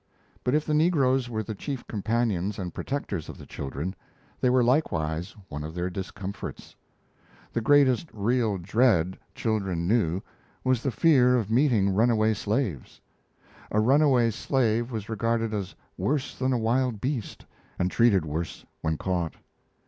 But if the negroes were the chief companions and protectors of the children, they were likewise one of their discomforts. The greatest real dread children knew was the fear of meeting runaway slaves. A runaway slave was regarded as worse than a wild beast, and treated worse when caught.